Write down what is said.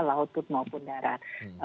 laut maupun darat